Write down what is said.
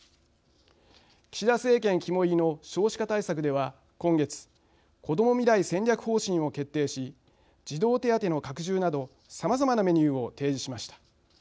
岸田政権肝いりの少子化対策では今月こども未来戦略方針を決定し児童手当の拡充などさまざまなメニューを提示しました。